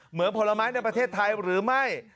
เหมือนผลไม้ในประเทศไทยหรือไม่